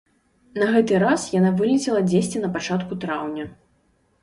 На гэты раз яна вылецела дзесьці на пачатку траўня.